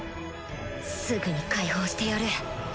すぐに解放してやる！